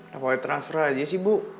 gak boleh transfer aja sih bu